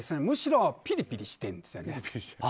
むしろピリピリしているんですよ。